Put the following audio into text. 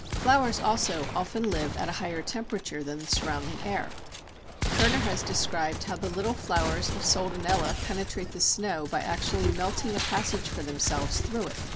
Flowers also often live at a higher temperature than the surrounding air. Kerner has described how the little flowers of Soldanella penetrate the snow by actually melting a passage for themselves through it (see p.